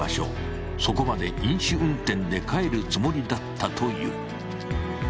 そこまで飲酒運転で帰るつもりだったという。